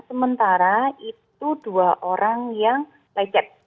sementara itu dua orang yang lecet